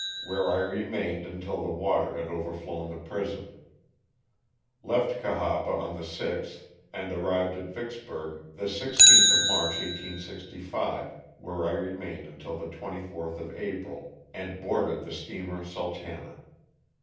where I remained until the water had overflown the prison. Left Cahaba on the 6th and arrived at Vicksburg the 16th of March, 1865, where I remained until the 24th of April, and boarded the steamer" Sultana."